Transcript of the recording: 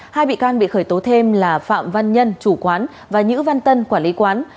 hai bị can bị khởi tố thêm là phạm văn nhân chủ quán và nhữ văn tân quản lý quán